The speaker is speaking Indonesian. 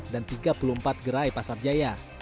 dan tiga puluh empat gerai pasar jaya